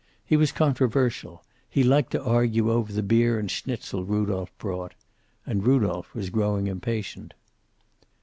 He was controversial. He liked to argue over the beer and schnitzel Rudolph bought. And Rudolph was growing impatient.